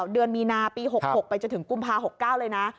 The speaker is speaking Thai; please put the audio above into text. เดือนมีนาปี๖๖ไปจนถึงกุมภา๖๙เลยนะ